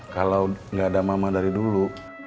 kalau nggak ada mama dari dulu